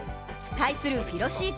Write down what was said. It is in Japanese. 対するフィロシーク